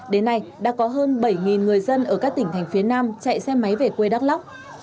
đến nay đã có hơn bảy người dân ở các tỉnh thành phía nam chạy xe máy về quê đắk lắc